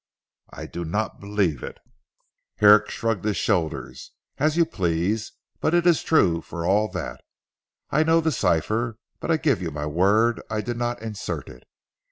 "I do not believe it." Herrick shrugged his shoulders. "As you please; but it is true for all that. I know the cipher, but I give you my word I did not insert it.